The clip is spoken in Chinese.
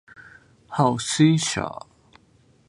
好施舍。